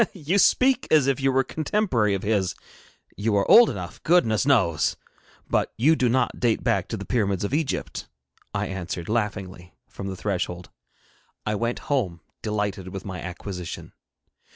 'You speak as if you were a contemporary of his. You are old enough, goodness knows! but you do not date back to the Pyramids of Egypt,' I answered, laughingly, from the threshold. I went home, delighted with my acquisition.